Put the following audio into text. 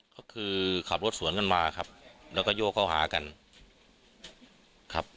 ก็คือขับรถสวนกันมาครับแล้วก็โยกเข้าหากันครับ